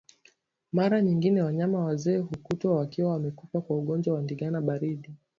Mara nyingi wanyama wazee hukutwa wakiwa wamekufa kwa ugonjwa wa ndigana baridi